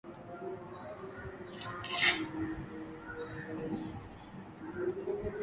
Kivuli chake na mzimu wa wahanga wa ukatili vilimtisha na kumnyima usingizi Karume